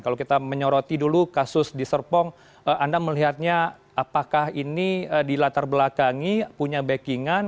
kalau kita menyoroti dulu kasus di serpong anda melihatnya apakah ini di latar belakangi punya backing an